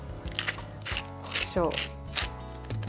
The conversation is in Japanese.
こしょう。